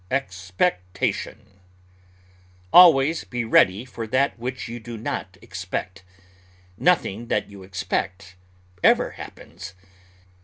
EXPECTATION Always be ready for that which you do not expect. Nothing that you expect ever happens.